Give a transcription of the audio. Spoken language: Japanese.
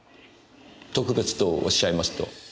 特別とおっしゃいますと？